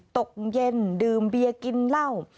ตกเย็นดื่มเบียร์กินเหล้า